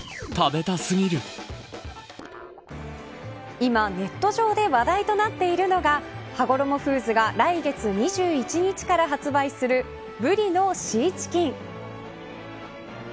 今、ネット上で話題となっているのがはごろもフーズが来月２１日から発売するブリのシーチキン。